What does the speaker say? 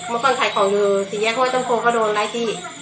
เมื่อก่อนขายของนือสีแยะโฮ้ยต้มโครก็โดนได้ที่